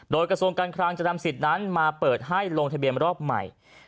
โดยกระทรวงการคลังจะนำสิทธิ์นั้นมาเปิดให้ลงทะเบียนรอบใหม่